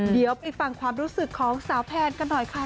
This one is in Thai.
เดี๋ยวไปฟังความรู้สึกของสาวแพนกันหน่อยค่ะ